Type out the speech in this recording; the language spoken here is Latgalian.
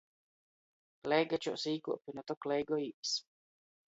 Leigačuos īkuopi, nu tok leigojīs!